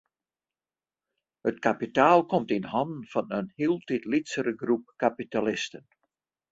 It kapitaal komt yn hannen fan in hieltyd lytsere groep kapitalisten.